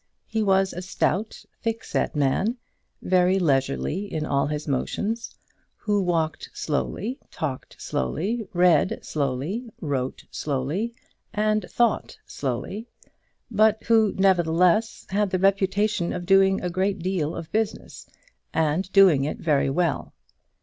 He was a stout, thickset man, very leisurely in all his motions, who walked slowly, talked slowly, read slowly, wrote slowly, and thought slowly; but who, nevertheless, had the reputation of doing a great deal of business, and doing it very well.